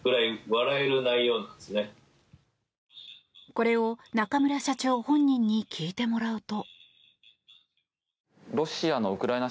これを、中村社長本人に聞いてもらうと。